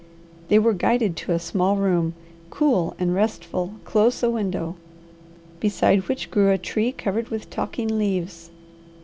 They were guided to a small room, cool and restful, close a window, beside which grew a tree covered with talking leaves.